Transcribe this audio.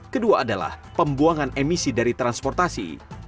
kedua adalah pembuangan emisi dari transportasi